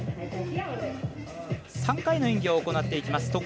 ３回の演技を行っていきます。